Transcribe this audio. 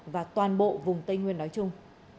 và toàn bộ vùng tây nguyên nói chung